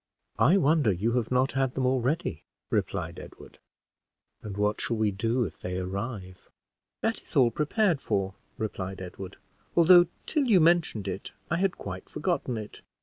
"I wonder you have not had them already," replied Edward. "And what shall we do if they arrive?" "That is all prepared for," replied Edward; "although, till you mentioned it, I had quite forgotten it.